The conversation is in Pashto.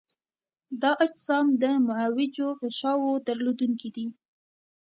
دا اجسام د معوجو غشاوو درلودونکي دي.